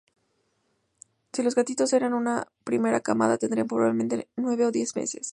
Si los gatitos eran su primera camada, tendría probablemente nueve o diez meses.